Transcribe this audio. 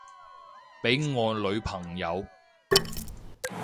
畀我女朋友